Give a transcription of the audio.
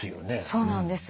そうなんです。